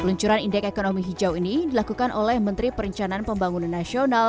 peluncuran indeks ekonomi hijau ini dilakukan oleh menteri perencanaan pembangunan nasional